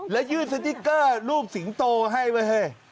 แล้วยืดสติกเกอร์ลูกสิงโตให้ไว้